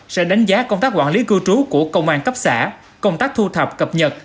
sẽ đánh giá công tác quản lý cư trú của công an cấp xã công tác thu thập cập nhật